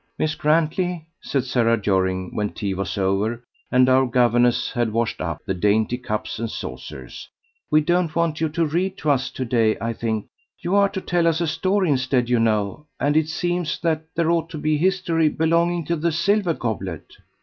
"Miss Grantley," said Sarah Jorring when tea was over, and our governess had "washed up" the dainty cups and saucers, "we don't want you to read to us to night, I think. You are to tell us a story instead, you know, and it seems that there ought to be a history belonging to the Silver Goblet."